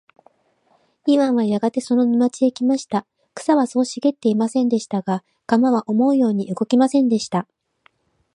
イワンはやがてその沼地へ来ました。草はそう茂ってはいませんでした。が、鎌は思うように動きませんでした。